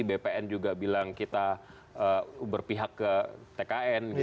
bpn juga bilang kita berpihak ke tkn gitu